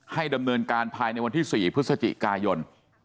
ดำเนินการภายในวันที่๔พฤศจิกายน